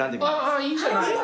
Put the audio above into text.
ああいいじゃない。